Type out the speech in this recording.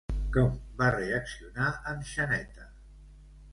Com va reaccionar en Xaneta?